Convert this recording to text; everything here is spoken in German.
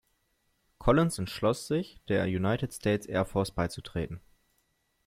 Collins entschloss sich, der United States Air Force beizutreten.